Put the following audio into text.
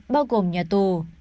bao gồm nhà tù